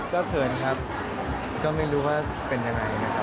ก็เขินครับก็ไม่รู้ว่าเป็นยังไงนะครับ